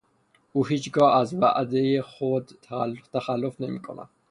او هیچگاه از وعدهُ خود تخلف نمیکند.